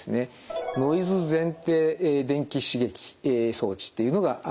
ノイズ前庭電気刺激装置というのがあります。